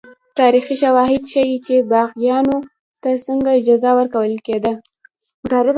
تاریخي شواهد ښيي چې باغیانو ته څنګه جزا ورکول کېده.